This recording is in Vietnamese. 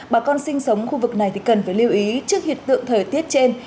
bà con sinh sống khu vực này thì cần phải lưu ý trước hiện tượng thời tiết trên